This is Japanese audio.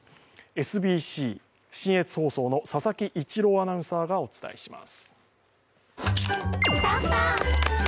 ＳＢＣ信越放送の佐々木一朗アナウンサーがお伝えします。